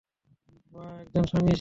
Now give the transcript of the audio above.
বা একজন স্বামী হিসাবে।